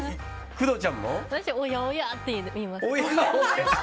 私はおやおや！って言います。